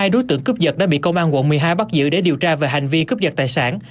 hai đối tượng cướp dật đã bị công an quận một mươi hai bắt giữ để điều tra về hành vi cướp giật tài sản